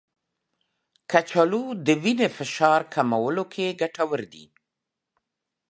کچالو د وینې فشار کمولو کې ګټور دی.